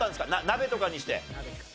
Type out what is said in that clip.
鍋とかにして？